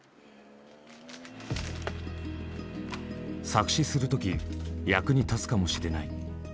作詞する時役に立つかもしれない。